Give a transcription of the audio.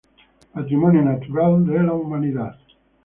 Patrimonio Natural de la Humanidad.